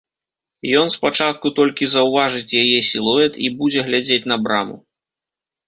Ён спачатку толькі заўважыць яе сілуэт і будзе глядзець на браму.